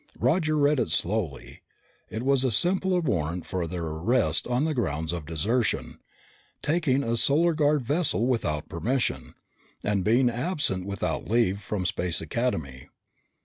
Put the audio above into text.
Roger read it slowly. It was a simple warrant for their arrest, on the grounds of desertion, taking a Solar Guard vessel without permission, and being absent without leave from Space Academy.